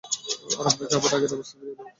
আমরা আপনাকে আবার আগের অবস্থায় ফিরিয়ে দিবো।